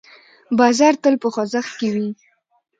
بازار تل په خوځښت کې وي.